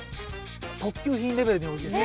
特級品レベルにおいしいです。